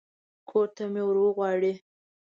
کور ته مې ور وغواړي.